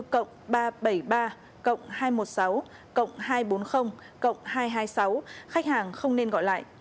cộng ba trăm bảy mươi ba hai trăm một mươi sáu cộng hai trăm bốn mươi cộng hai trăm hai mươi sáu khách hàng không nên gọi lại